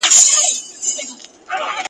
آیا ملاله د شهادت مقام ته ورسېده؟